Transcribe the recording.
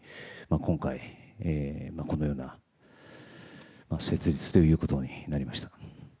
今回、このような設立ということになりました。